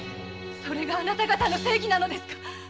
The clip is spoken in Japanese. それがあなた方の正義なのですか！